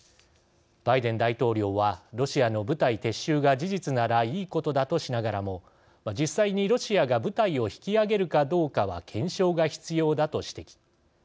バイデン大統領はロシアの部隊撤収が事実なら「いいことだ」としながらも実際に、ロシアが部隊を引き揚げるかどうかは検証が必要だと指摘。